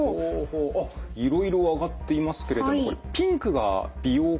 あっいろいろ挙がっていますけれどもピンクが美容関連なんですね。